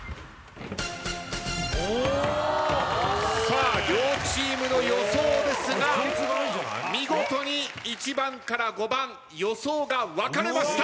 さあ両チームの予想ですが見事に１番から５番予想が分かれました。